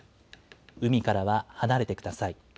海からは離れてください。